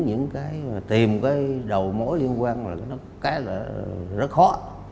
những cái mà tìm cái đầu mối liên quan là cái là rất khó